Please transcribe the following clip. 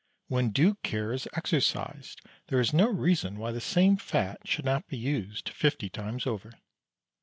When due care is exercised there is no reason why the same fat should not be used fifty times over.